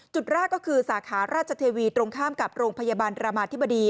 จุดแรกก็คือสาขาราชเทวีตรงข้ามกับโรงพยาบาลรามาธิบดี